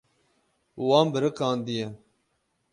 Wan biriqandiye.